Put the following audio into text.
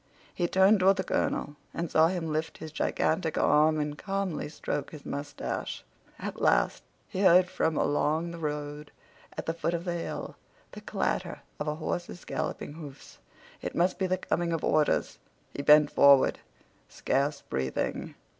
He turned toward the colonel and saw him lift his gigantic arm and calmly stroke his mustache. At last he heard from along the road at the foot of the hill the clatter of a horse's galloping hoofs. It must be the coming of orders. He bent forward, scarce breathing.